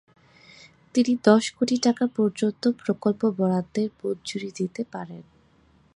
তিনি দশ কোটি টাকা পর্যন্ত প্রকল্প বরাদ্দের মঞ্জুরি দিতে পারেন।